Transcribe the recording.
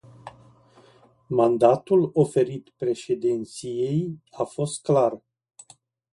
Mandatul oferit președinției a fost clar.